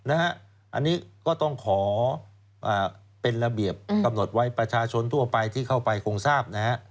อันนี้ก็ต้องขอเป็นระเบียบกำหนดไว้ประชาชนทั่วไปที่เข้าไปคงทราบนะฮะ